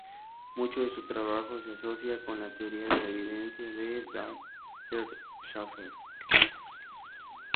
Mucho de su trabajo se asocia con la teoría de la evidencia de Dempster–Shafer.